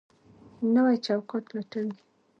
نوی چوکاټ لټوي.